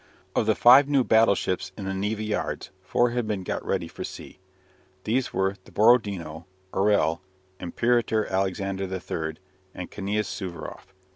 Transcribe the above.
Of the five new battleships in the Neva yards four had been got ready for sea. These were the "Borodino," "Orel," "Imperator Alexander III," and "Knias Suvaroff."